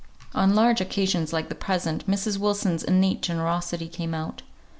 On large occasions like the present, Mrs. Wilson's innate generosity came out.